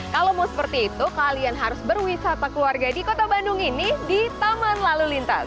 kalau mau seperti itu kalian harus berwisata keluarga di kota bandung ini di taman lalu lintas